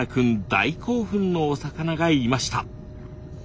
大興奮のお魚がいました。